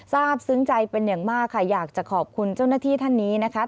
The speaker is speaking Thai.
ทราบซึ้งใจเป็นอย่างมากค่ะอยากจะขอบคุณเจ้าหน้าที่ท่านนี้นะคะ